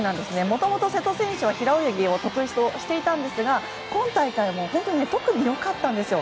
もともと瀬戸選手は平泳ぎを得意としていたんですが今大会、特に良かったんです。